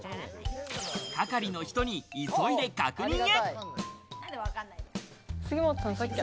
係りの人に急いで確認へ。